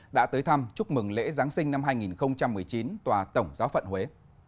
đã tới thăm chúc mừng lễ giáng sinh năm hai nghìn một mươi chín tòa tổng giáo phận huế